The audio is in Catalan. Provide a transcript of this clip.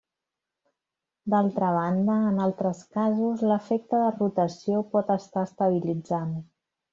D'altra banda, en altres casos, l'efecte de rotació pot estar estabilitzant.